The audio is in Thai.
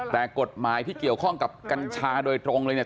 แต่กฎหมายที่เกี่ยวข้องกับกัญชาโดยตรงเลยเนี่ย